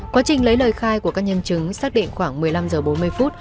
quá trình lấy lời khai của các nhân chứng xác định khoảng một mươi năm h bốn mươi phút